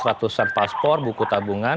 ratusan paspor buku tabungan